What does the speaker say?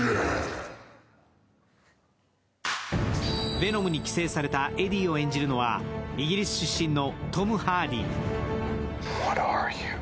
ヴェノムに寄生されたエディを演じるのはイギリス出身のトム・ハーディ。